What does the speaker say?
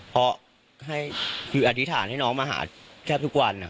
เพราะคืออธิษฐานให้น้องมาหาแทบทุกวัน